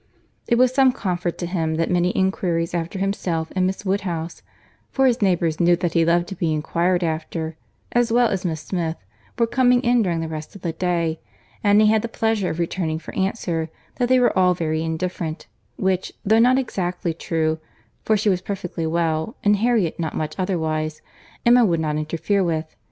It was some comfort to him that many inquiries after himself and Miss Woodhouse (for his neighbours knew that he loved to be inquired after), as well as Miss Smith, were coming in during the rest of the day; and he had the pleasure of returning for answer, that they were all very indifferent—which, though not exactly true, for she was perfectly well, and Harriet not much otherwise, Emma would not interfere with.